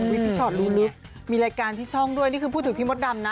พี่ชอตรู้ลึกมีรายการที่ช่องด้วยนี่คือพูดถึงพี่มดดำนะ